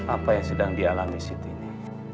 apa yang sedang dialami siti ini